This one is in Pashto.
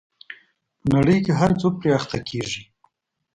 په نړۍ کې هر څوک پرې اخته کېږي.